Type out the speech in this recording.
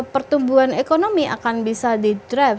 pertumbuhan ekonomi akan bisa di drive